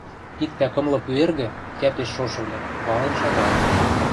Иктӓ кымлы пӱэргӹ, кӓпеш шошывлӓ, вален шагалыт.